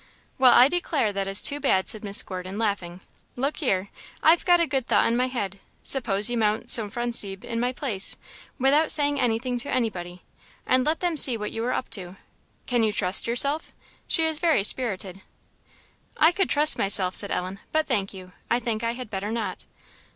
"Well, I declare that is too bad," said Miss Gordon, laughing. "Look here I've got a good thought in my head: suppose you mount Sophronisbe in my place, without saying anything to anybody, and let them see what you are up to. Can you trust yourself? she's very spirited." "I could trust myself," said Ellen; "but, thank you, I think I had better not."